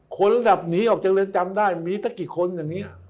คนระดับหนีออกจากเรือนจำได้มีตั้งกี่คนอย่างนี้